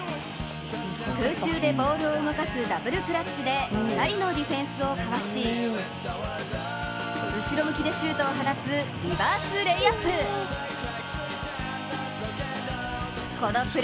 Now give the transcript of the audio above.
空中でボールを動かすダブルクラッチで２人のディフェンスをかわし後ろ向きでシュートを放つリバース・レイアップ。